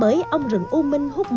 bởi ong rừng u minh hút vào đất cà mau